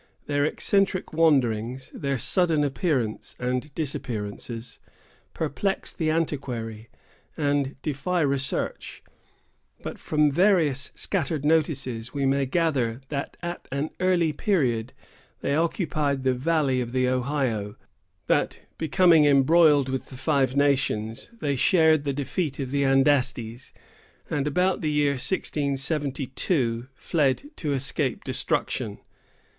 Their eccentric wanderings, their sudden appearances and disappearances, perplex the antiquary, and defy research; but from various scattered notices, we may gather that at an early period they occupied the valley of the Ohio; that, becoming embroiled with the Five Nations, they shared the defeat of the Andastes, and about the year 1672 fled to escape destruction.